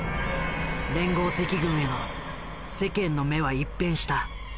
連合赤軍への世間の目は一変した。